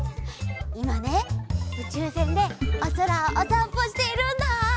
いまねうちゅうせんでおそらをおさんぽしているんだ。